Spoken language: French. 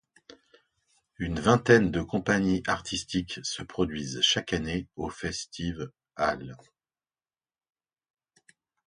Une vingtaine de compagnies artistiques se produisent chaque année aux Festives Halles.